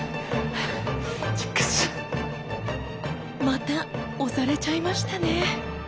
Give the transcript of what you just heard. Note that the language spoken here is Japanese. また押されちゃいましたね。